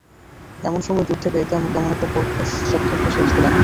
এমন সময় দূর থেকে কেমন একটা কর্কশ শব্দ ভেসে আসতে লাগল।